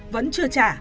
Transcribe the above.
vẫn chưa trả